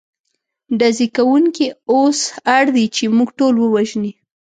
ډزې کوونکي اوس اړ دي، چې موږ ټول ووژني.